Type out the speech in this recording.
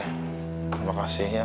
terima kasih ya